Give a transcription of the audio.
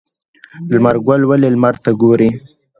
لمر ګل ولې لمر ته ګوري؟